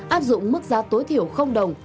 áp dụng mức giá tối thiểu không đồng